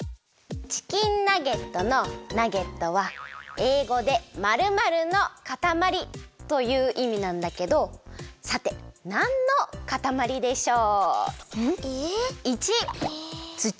チキンナゲットの「ナゲット」は英語で「○○のかたまり」といういみなんだけどさてなんのかたまりでしょう？